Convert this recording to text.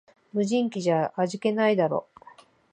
無人機じゃ味気ないだろ